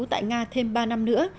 tại nga thêm ba năm nữa